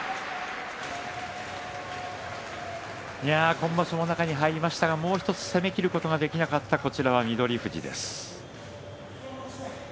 今場所も中に入りましたが攻めきることができなかった翠富士です。